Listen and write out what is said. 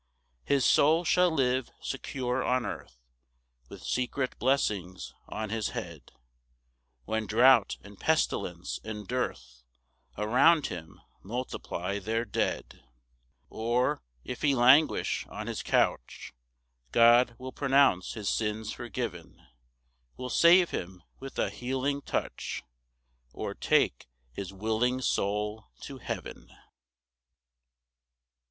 3 His soul shall live secure on earth, With secret blessings on his head, When drought, and pestilence, and dearth Around him multiply their dead. 4 Or if he languish on his couch, God will pronounce his sins forgiv'n, Will save him with a healing touch, Or take his willing soul to heaven.